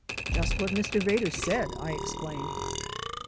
"Just what Mr. Vedder said," I exclaimed.